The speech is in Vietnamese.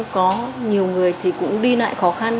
có nhiều người thì cũng đi lại khó khăn